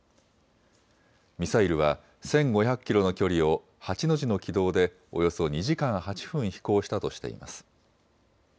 ミサイルは１５００キロの距離を８の字の軌道でおよそ２時間８分飛行したとしています。